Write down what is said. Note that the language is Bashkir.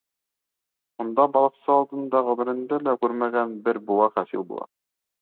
Унда балыҡсы алдында ғүмерендә лә күрмәгән бер быуа хасил була.